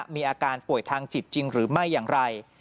มีอาการป่วยทางจิตจริงหรือไม่อย่างไร